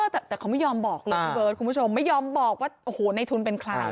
แต่เขาไม่ยอมบอกเลยคุณผู้ชมไม่ยอมบอกว่าในทุนเป็นใคร